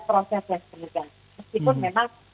proses yang sepenuhnya meskipun memang